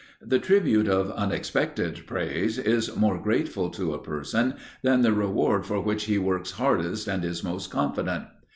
The tribute of unexpected praise is more grateful to a person than the reward for which he works hardest and is most confident.